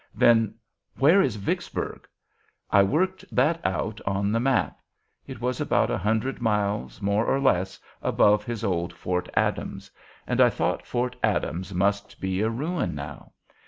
Then, 'Where was Vicksburg?' I worked that out on the map; it was about a hundred miles, more or less, above his old Fort Adams; and I thought Fort Adams must be a ruin now.